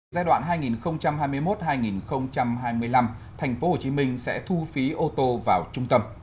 giai đoạn hai nghìn hai mươi một hai nghìn hai mươi năm tp hcm sẽ thu phí ô tô vào trung tâm